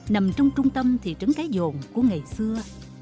nằm trong trung tâm thị trấn cái dồn của ngày xưa